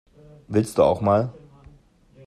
Willst du auch mal?